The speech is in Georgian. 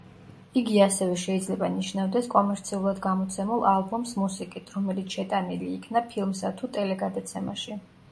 იგი ასევე შეიძლება ნიშნავდეს კომერციულად გამოცემულ ალბომს მუსიკით, რომელიც შეტანილი იქნა ფილმსა თუ ტელეგადაცემაში.